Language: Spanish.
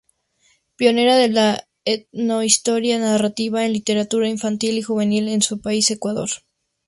Pionera de la etnohistoria narrativa en literatura infantil y juvenil en su país, Ecuador.